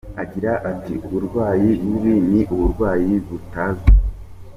Agira ati “Uburwayi bubi ni uburwayi butazwi.